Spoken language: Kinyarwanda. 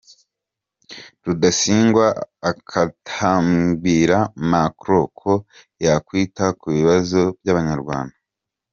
Rudasingwa atakambira Macron ko yakwita ku kibazo cy’Abanyarwanda.’’